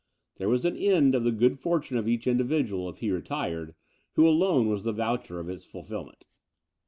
There was an end of the good fortune of each individual, if he retired, who alone was the voucher of its fulfilment.